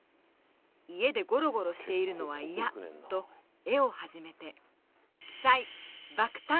「家でゴロゴロしているのは嫌」と絵を始めて爆誕。